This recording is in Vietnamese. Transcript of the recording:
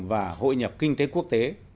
và hội nhập kinh tế quốc tế